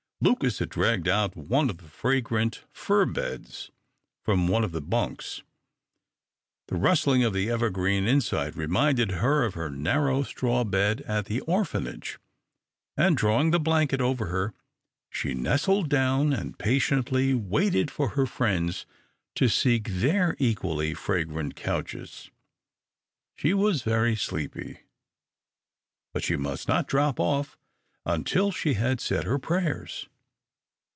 Lucas had dragged out one of the fragrant fir beds from one of the bunks. The rustling of the evergreen inside reminded her of her narrow straw bed at the orphanage, and drawing the blanket over her, she nestled down and patiently waited for her friends to seek their equally fragrant couches. She was very sleepy, but she must not drop off until she had said her prayers.